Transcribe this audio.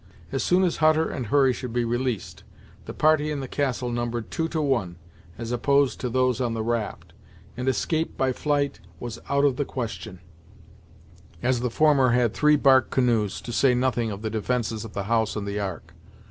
As soon as Hutter and Hurry should be released, the party in the castle numbered two to one, as opposed to those on the raft, and escape by flight was out of the question, as the former had three bark canoes, to say nothing of the defences of the house and the Ark.